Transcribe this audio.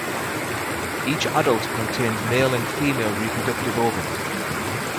Each adult contains male and female reproductive organs.